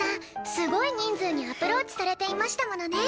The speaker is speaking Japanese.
すごい人数にアプローチされていましたものね。